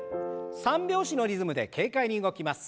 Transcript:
三拍子のリズムで軽快に動きます。